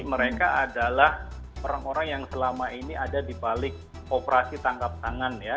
mereka adalah orang orang yang selama ini ada di balik operasi tangkap tangan ya